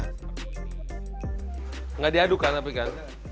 tidak diadukkan tapi kan